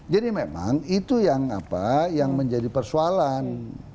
jadi memang itu yang apa yang menjadi persoalan